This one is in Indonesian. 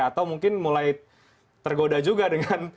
atau mungkin mulai tergoda juga dengan